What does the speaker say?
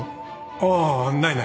ああないない。